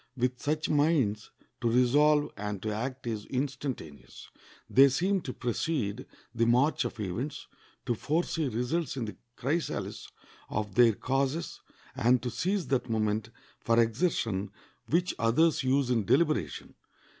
With such minds to resolve and to act is instantaneous. They seem to precede the march of events, to foresee results in the chrysalis of their causes, and to seize that moment for exertion which others use in deliberation.